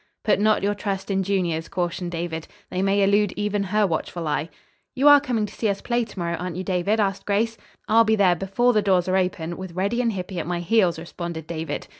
"Put not your trust in juniors," cautioned David. "They may elude even her watchful eye." "You are coming to see us play to morrow, aren't you, David?" asked Grace. "I'll be there before the doors are open, with Reddy and Hippy at my heels," responded David.